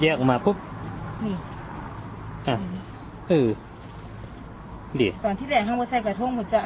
นี่อ่ะเออตอนที่แรกค่ะพวกใส่กระทงพอจะ